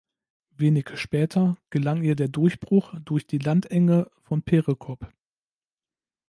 Wenig später gelang ihr der Durchbruch durch die Landenge von Perekop.